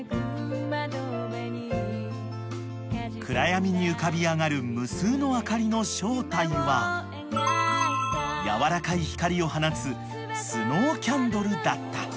［暗闇に浮かび上がる無数の明かりの正体は柔らかい光を放つスノーキャンドルだった］